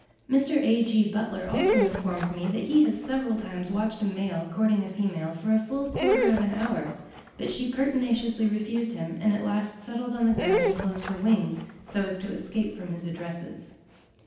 Mr. A.G. Butler also informs me that he has several times watched a male courting a female for a full quarter of an hour; but she pertinaciously refused him, and at last settled on the ground and closed her wings, so as to escape from his addresses.